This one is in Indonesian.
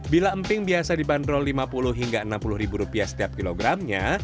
bila emping biasa dibanderol lima puluh hingga enam puluh ribu rupiah setiap kilogramnya